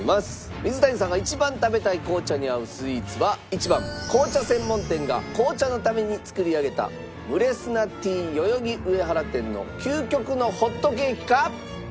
水谷さんが一番食べたい紅茶に合うスイーツは１番紅茶専門店が紅茶のために作り上げたムレスナティー代々木上原店の究極のホットケーキか？